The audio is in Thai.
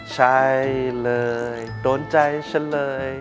ใช่เลยโดนใจฉันเลย